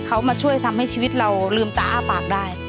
เขามาช่วยทำให้ชีวิตเราลืมตาอ้าปากได้